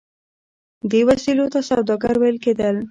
دې وسیلو ته سوداګر ویل کیدل.